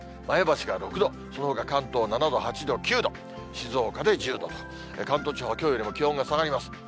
前橋が６度、そのほか、関東７度、８度、９度、静岡で１０度と、関東地方はきょうよりも気温が下がります。